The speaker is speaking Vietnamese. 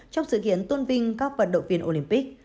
trong sự kiện tôn vinh các vận động viên olympic